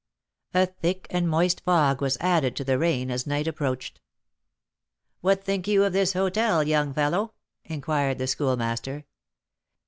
A thick and moist fog was added to the rain as night approached. "What think you of this hôtel, young fellow?" inquired the Schoolmaster.